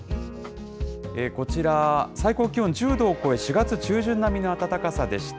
こちら、最高気温１０度を超え、４月中旬並みの暖かさでした。